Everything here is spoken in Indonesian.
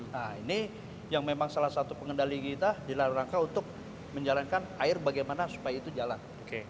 nah ini yang memang salah satu pengendali kita di dalam rangka untuk menjalankan air bagaimana supaya itu jalan